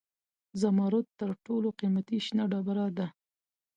زمرد تر ټولو قیمتي شنه ډبره ده.